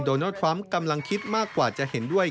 โดนัลดทรัมป์กำลังคิดมากกว่าจะเห็นด้วย